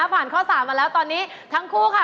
ผ่านข้อ๓มาแล้วตอนนี้ทั้งคู่ค่ะ